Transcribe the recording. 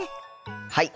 はい！